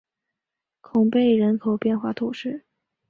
孔贝人口变化图示